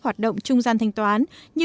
hoạt động trung gian thanh toán như